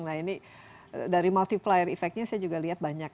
nah ini dari multiplier effect nya saya juga lihat banyak